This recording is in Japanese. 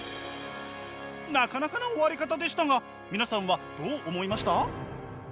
なかなかな終わり方でしたが皆さんはどう思いました？